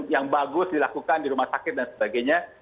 yang bagus dilakukan di rumah sakit dan sebagainya